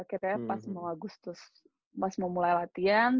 akhirnya pas mau agustus masih mau mulai latihan